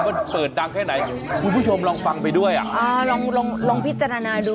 มันเปิดดังแค่ไหนคุณผู้ชมลองฟังไปด้วยอ่ะอ่าลองลองพิจารณาดู